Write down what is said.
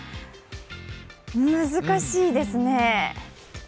難しいですね。